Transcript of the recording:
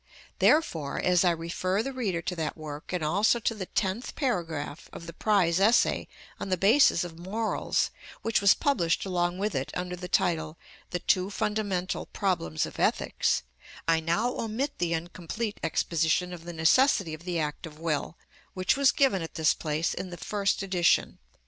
Therefore, as I refer the reader to that work, and also to the tenth paragraph of the prize essay on the basis of morals, which was published along with it under the title "The Two Fundamental Problems of Ethics," I now omit the incomplete exposition of the necessity of the act of will, which was given at this place in the first edition.